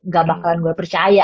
gak bakalan gue percaya